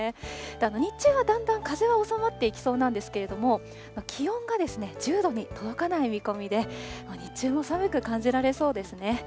日中はだんだん風は収まっていきそうなんですけれども、気温が１０度に届かない見込みで、日中も寒く感じられそうですね。